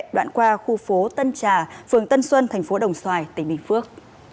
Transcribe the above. đoạn qua khu phố tân trà phường tân xuân tp đồng xoài tỉnh bình phước